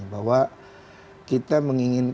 bahwa kita menginginkan dunia